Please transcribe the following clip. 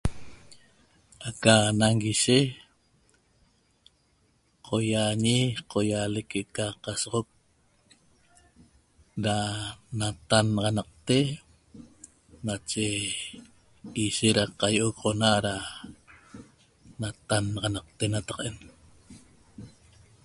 Aca nañiguise cohiañe cohialeq aca cosocoq da nataxnaxanaqte nache ishet da cahioxona da natannaxanaxat